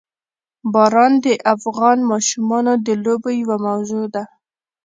باران د افغان ماشومانو د لوبو یوه موضوع ده.